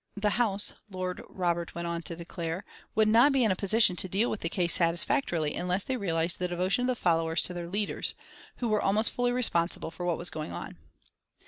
The House, Lord Robert went on to declare, would not be in a position to deal with the case satisfactorily unless they realised the devotion of the followers to their leaders, who were almost fully responsible for what was going on.